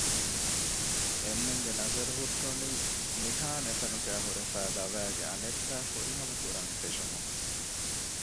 އެންމެންގެ ނަޒަރު ހުއްޓުނީ ނިހާން އެތަނުގައި ހުރެފައި ލަވައިގެ އަނެއްބައި ފުރިހަމަ ކުރަން ފެށުމުން